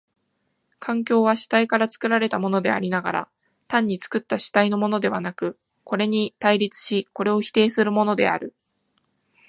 環境は主体から作られたものでありながら、単に作った主体のものではなく、これに対立しこれを否定するものである。